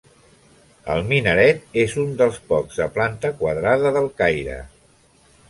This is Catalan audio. El minaret és un dels pocs de planta quadrada del Caire.